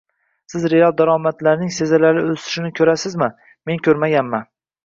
Siz real daromadlarning sezilarli o'sishini ko'rasizmi? Men ko'rmaganman